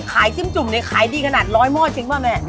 ขายจิ้มจุ่มนั้นขายดีขนาดร้อยเมาะจริงปะแม่